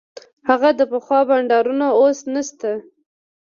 هغه د پخوا بانډارونه اوس نسته.